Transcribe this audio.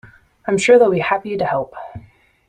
I'm sure they'll be happy to help.